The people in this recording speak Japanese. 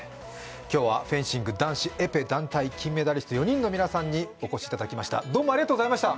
今日はフェンシング男子エペ団体金メダリスト４人の皆さんにお越しいただきましたどうもありがとうございました！